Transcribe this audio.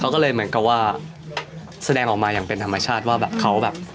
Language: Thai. เขาก็เลยเหมือนกับว่าแสดงออกมาอย่างเป็นธรรมชาติว่าแบบเขาแบบ